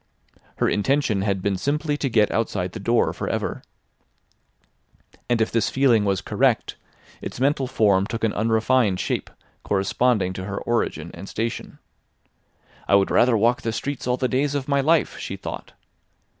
Her intention had been simply to get outside the door for ever. And if this feeling was correct, its mental form took an unrefined shape corresponding to her origin and station. "I would rather walk the streets all the days of my life," she thought.